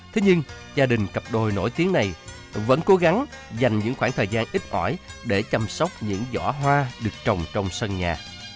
thế nhưng gia đình cặp đôi nổi tiếng này vẫn cố gắng dành những khoảng thời gian ít ỏi để chăm sóc những giỏ hoa được trồng trong sân nhà